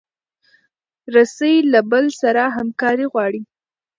رسۍ له بل سره همکاري غواړي.